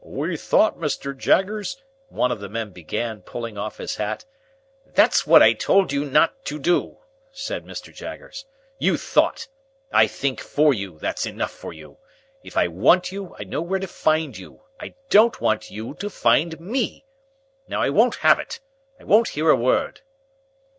"We thought, Mr. Jaggers—" one of the men began, pulling off his hat. "That's what I told you not to do," said Mr. Jaggers. "You thought! I think for you; that's enough for you. If I want you, I know where to find you; I don't want you to find me. Now I won't have it. I won't hear a word."